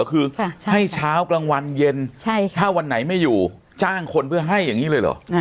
คือให้เช้ากลางวันเย็นถ้าวันไหนไม่อยู่จ้างคนเพื่อให้อย่างนี้เลยเหรอ